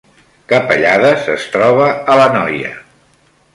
Capellades es troba a l’Anoia